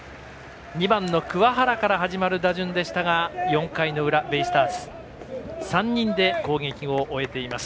２番の桑原から始まる打順でしたが４回の裏、ベイスターズ３人で攻撃を終えています。